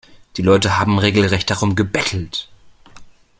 Die Leute haben regelrecht darum gebettelt.